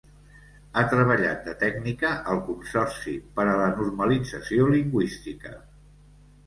Ha treballat de tècnica al Consorci per a la Normalització Lingüística.